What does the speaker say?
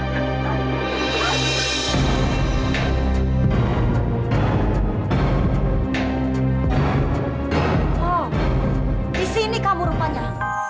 di sini kamu rupanya